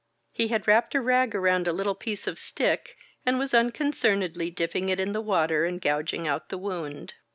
He had wrapped a rag around a little piece of stick and was unconcernedly dipping it in the water and gouging out the wound.